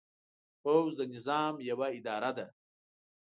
پوځ د نظام یوه اداره ده.